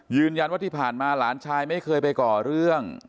ยืนยันว่าที่ผ่านมาหลานชายไม่เคยไปก่อเรื่อง